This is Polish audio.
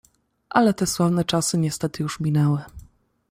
"Ale te sławne czasy niestety już minęły."